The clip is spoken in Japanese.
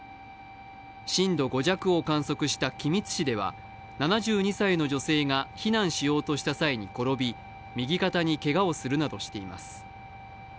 震度５弱を観測した君津市では７２歳の女性が避難しようとした際に転び右肩にけがをするなどしています。